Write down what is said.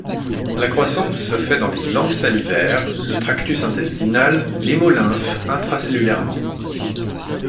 La croissance se fait dans les glandes salivaires, le tractus intestinal, l'hémolymphe, intracellulairement.